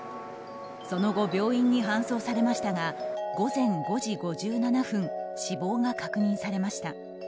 その後、病院に搬送されましたが午前５時５７分死亡が確認されました。